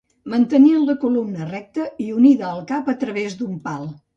Mantenien la columna recta i unida al cap a través d'un pal.